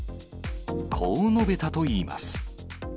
こう述べたといいます。